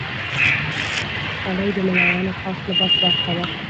خولۍ د ملایانو خاص لباس برخه ده.